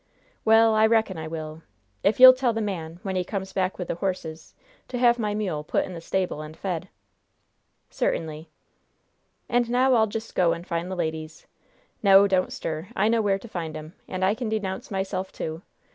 "Well, I reckon I will if you'll tell the man, when he comes back with the horses, to have my mule put in the stable and fed." "Certainly." "And now I'll just go and find the ladies. No, don't stir! I know where to find 'em, and I can denounce myself, too!